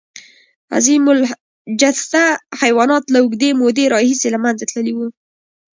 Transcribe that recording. عظیم الجثه حیوانات له اوږدې مودې راهیسې له منځه تللي وو.